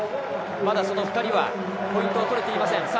まだ２人は、ポイントを取れていません。